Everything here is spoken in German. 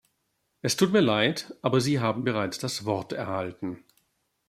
Es tut mir Leid, aber Sie haben bereits das Wort erhalten.